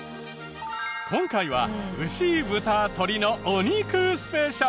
今回は牛豚鶏のお肉スペシャル。